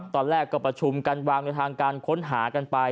ตอนแรกก็ประชุมกันวางในทางการค้นหากันไป